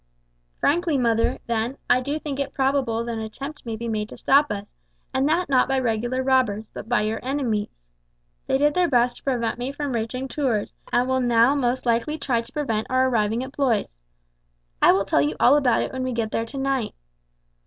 "Frankly, mother, then, I do think it is probable that an attempt may be made to stop us, and that not by regular robbers, but by your enemies. They did their best to prevent me from reaching Tours, and will now most likely try to prevent our arriving at Blois. I will tell you all about it when we get there tonight.